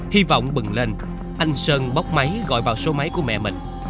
hy vọng bừng lên anh sơn bóc máy gọi vào số máy của mẹ mình